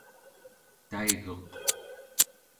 taiguq